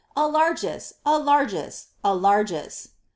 A largess, a largess, a largess."